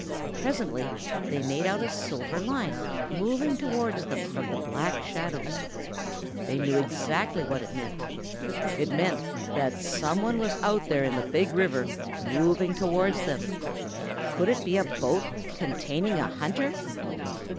Presently they made out a silver line moving towards them from the Black Shadows. They knew exactly what it meant. It meant that some one was out there in the Big River moving towards them. Could it be a boat containing a hunter?